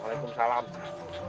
jangan lupa like share dan subscribe ya